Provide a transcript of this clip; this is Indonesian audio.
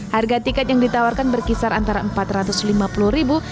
harga tiket yang ditawarkan berkisar antara empat ratus lima puluh ribu